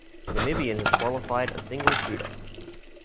Namibian has qualified a single shooter.